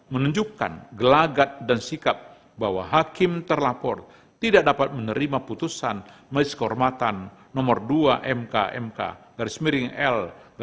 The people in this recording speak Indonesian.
menunjukkan gelagat dan sikap bahwa hakim terlapor tidak dapat menerima putusan majelis kehormatan no dua mkmk l dua ribu dua puluh tiga